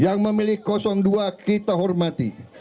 yang memilih dua kita hormati